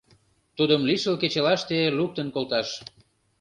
— Тудым лишыл кечылаште луктын колташ.